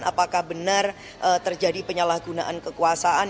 apakah benar terjadi penyalahgunaan kekuasaan